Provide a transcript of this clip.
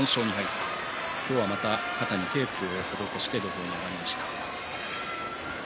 今日は肩にテープを施して土俵に上がりました。